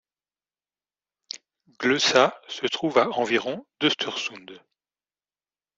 Glösa se trouve à environ d'Östersund.